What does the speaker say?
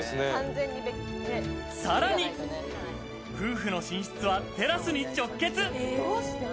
さらに、夫婦の寝室はテラスに直結。